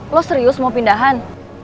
lo serius mau pindahan